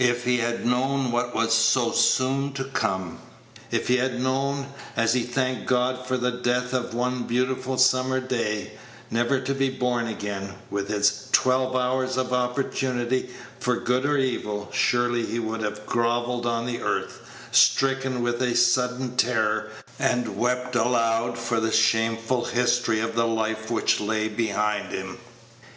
If he had known what was so soon to come; if he had known, as he thanked God for the death of one beautiful summer's day, never to be born again, with its twelve hours of opportunity for good or evil, surely he would have grovelled on the earth, stricken with a sudden terror, and wept aloud for the shameful history of the life which lay behind him.